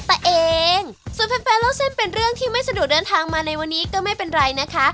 แต่เองส่วนแฟนเล่าเส้นเป็นเรื่องที่ไม่สะดวกเดินทางมาในวันนี้ก็ไม่เป็นไรนะคะ